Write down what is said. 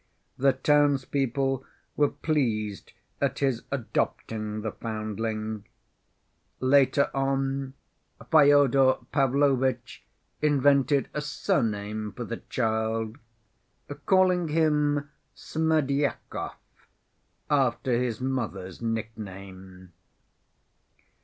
The townspeople were pleased at his adopting the foundling. Later on, Fyodor Pavlovitch invented a surname for the child, calling him Smerdyakov, after his mother's nickname.